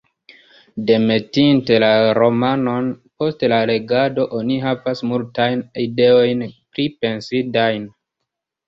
Demetinte la romanon, post la legado, oni havas multajn ideojn pripensindajn.